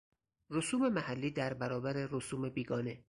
رسوم محلی در برابر رسوم بیگانه